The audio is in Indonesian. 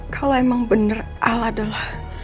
kalau emang bener ala adalah